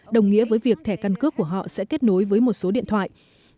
đồng nghĩa với việc thẻ căn cước của họ sẽ kết nối với một số điện thoại